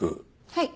はい。